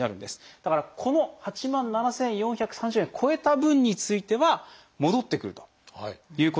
だからこの８万７，４３０円を超えた分については戻ってくるということなんですよね。